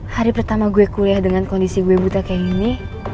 hari pertama gue kuliah dengan kondisi gue buta kayak gini